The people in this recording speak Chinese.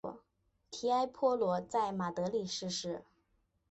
提埃坡罗在马德里逝世。